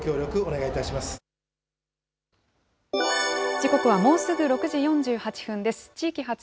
時刻はもうすぐ６時４８分です。